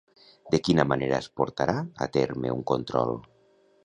De quina manera es portarà a terme un control?